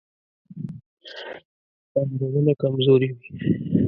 پانګونه کمزورې وي.